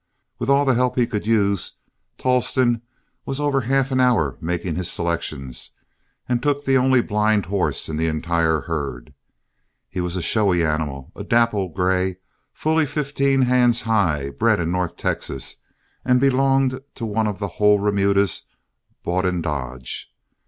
With all the help he could use, Tolleston was over half an hour making his selections, and took the only blind horse in the entire herd. He was a showy animal, a dapple gray, fully fifteen hands high, bred in north Texas, and belonged to one of the whole remudas bought in Dodge.